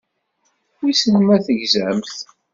Wissen ma tegzamt.